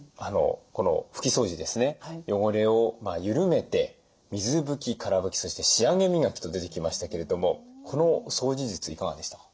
この拭き掃除ですね汚れを緩めて水拭きから拭きそして仕上げ磨きと出てきましたけれどもこの掃除術いかがでしたか？